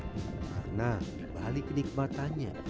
karena di balik nikmatannya